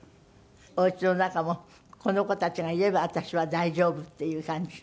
おうちの中もこの子たちがいれば私は大丈夫っていう感じ？